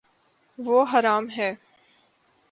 وہ ہرا م ہے